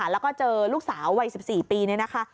แล้วก็เจอลูกสาววัย๑๔ปีนี่นะคะ